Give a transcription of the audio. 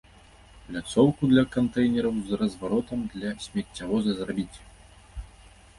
Пляцоўку для кантэйнераў з разваротам для смеццявоза зрабіць.